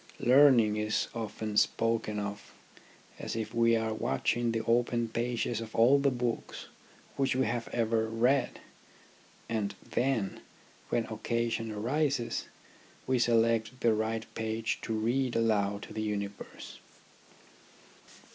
Learning is often spoken of as if we are watching the open pages of all the books which we have ever read, and then, when occasion arises, we select the right page to read aloud to the universe.